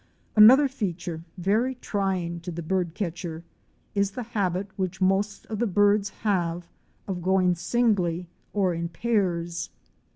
Another feature, very trying to the bird catcher, is the habit which most of the birds have of going singly or in pairs.